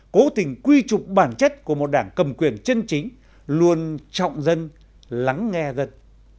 cố tình quy trục bản chất của một đảng cầm quyền chân chính luôn trọng dân lắng nghe dân